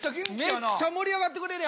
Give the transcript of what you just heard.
めっちゃ盛り上がってくれるやん。